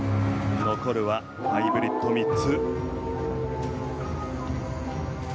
残るはハイブリッド３つ。